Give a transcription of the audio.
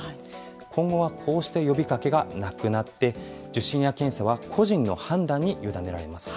今後はこうした呼びかけがなくなって、受診や検査は個人の判断に委ねられます。